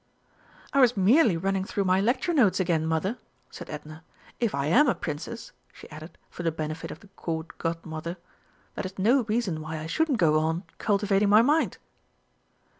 "I was merely running through my lecture notes again, Mother," said Edna. "If I am a Princess," she added, for the benefit of the Court Godmother, "that is no reason why I shouldn't go on cultivating my mind."